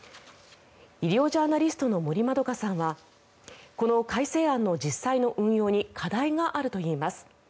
医療ジャーナリストの森まどかさんはこの改正案の実際の運用に課題があるといいます。